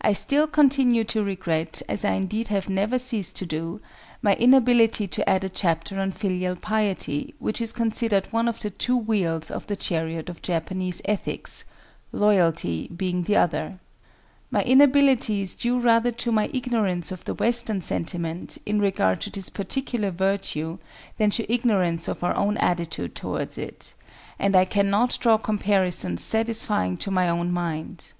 I still continue to regret, as I indeed have never ceased to do, my inability to add a chapter on Filial Piety, which is considered one of the two wheels of the chariot of Japanese ethics—Loyalty being the other. My inability is due rather to my ignorance of the Western sentiment in regard to this particular virtue, than to ignorance of our own attitude towards it, and I cannot draw comparisons satisfying to my own mind.